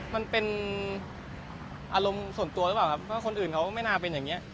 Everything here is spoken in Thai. มันเป็นอารมณ์ส่วนตัวคนอื่นไม่น่าเป็นแบบนี้